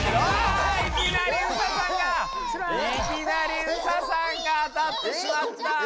いきなりＳＡさんがあたってしまった！